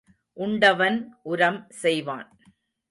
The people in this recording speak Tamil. உண்டவன் உரம் செய்வான்.